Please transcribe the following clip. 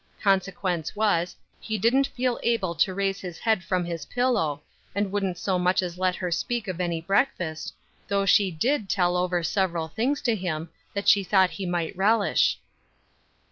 Con sequence was, he didn't feel able to raise his head from his pillow, and wouldn't so much as let her speak of any breakfast, though she did tell over several things to him, that she thought he might relish.